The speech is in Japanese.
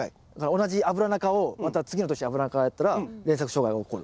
同じアブラナ科をまた次の年アブラナ科をやったら連作障害がおこる？